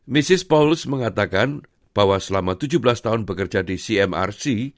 misis paulus mengatakan bahwa selama tujuh belas tahun bekerja di cmrc